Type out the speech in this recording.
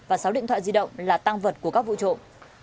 và sáu điện thoại di động là tăng vật của các vụ trộm